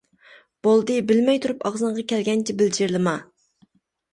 -بولدى، بىلمەي تۇرۇپ ئاغزىڭغا كەلگەنچە بىلجىرلىما!